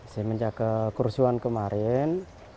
sejak kerusuhan kemarin